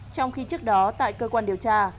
trong khi trước đó tại cơ quan điều tra